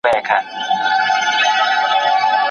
ولي د انسانانو حقونه مساوي دي؟